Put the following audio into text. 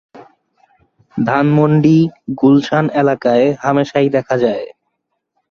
ধানমন্ডি, গুলশান এলাকায় হামেশাই দেখা যায়।